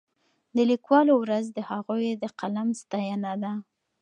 د لیکوالو ورځ د هغوی د قلم ستاینه ده.